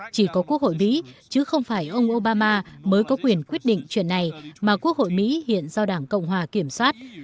chỉ có quốc hội mỹ chứ không phải ông obama mới có quyền quyết định chuyện này mà quốc hội mỹ hiện do đảng cộng hòa kiểm soát